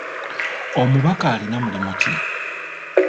Omubaka alina mulimu ki?